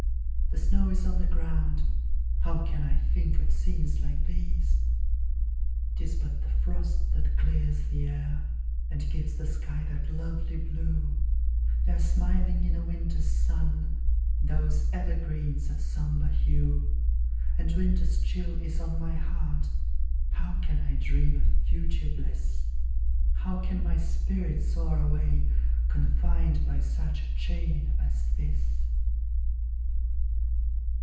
the snow is on the ground How can I think of scenes like these? 'Tis but the FROST that clears the air, And gives the sky that lovely blue; They're smiling in a WINTER'S sun, Those evergreens of sombre hue. And winter's chill is on my heart How can I dream of future bliss? How can my spirit soar away, Confined by such a chain as this?